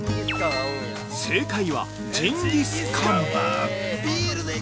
◆正解は、ジンギスカン。